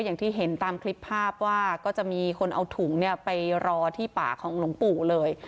อย่างที่เห็นตามคลิปภาพว่าก็จะมีคนเอาถุงเนี่ยไปรอที่ป่าของหลวงปู่เลย